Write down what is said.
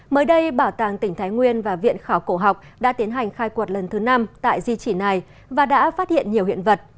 mới đây bảo tàng tỉnh thái nguyên và viện khảo cổ học đã tiến hành khai quật lần thứ năm tại di chỉ này và đã phát hiện nhiều hiện vật